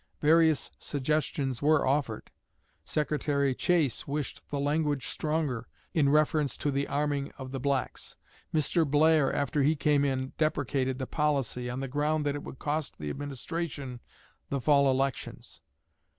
Various suggestions were offered. Secretary Chase wished the language stronger in reference to the arming of the blacks. Mr. Blair, after he came in, deprecated the policy, on the ground that it would cost the administration the fall elections.